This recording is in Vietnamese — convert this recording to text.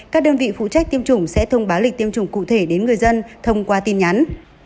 các đơn vị phụ trách tiêm chủng sẽ thông báo lịch tiêm chủng cụ thể đến người dân thông qua tin nhắn